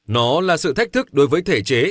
nó là sự thách thức đối với thể chế